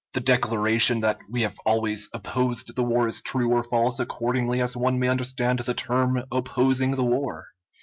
The declaration that we have always opposed the war is true or false accordingly as one may understand the term "opposing the war."